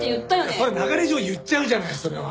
それは流れ上言っちゃうじゃないそれは。